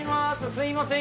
すいません